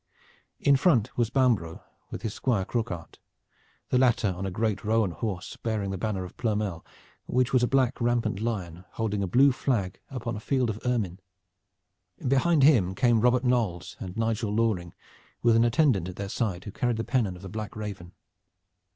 In front was Bambro' with his Squire Croquart, the latter on a great roan horse bearing the banner of Ploermel, which was a black rampant lion holding a blue flag upon a field of ermine. Behind him came Robert Knolles and Nigel Loring, with an attendant at their side, who carried the pennon of the black raven.